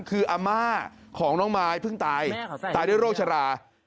คืออาม่าของน้องมายเพิ่งตายตายด้วยโรคชรา